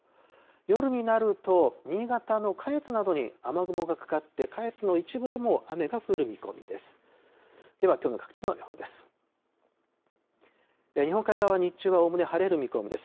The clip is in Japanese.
夜になると、新潟の下越などに雨雲がかかって、下越の一部でも雨が降る見込みです。